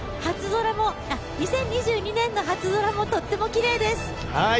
２０２２年の初空もとってもきれいです。